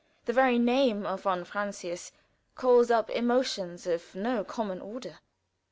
The very name of von Francius calls up emotions of no common order.)